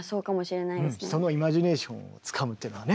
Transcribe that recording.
そのイマジネーションをつかむっていうのはね